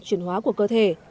chuyển hóa của cơ thể